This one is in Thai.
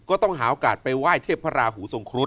ก็ต้องหาโอกาสไปไหว้เทพพระราหูทรงครุฑ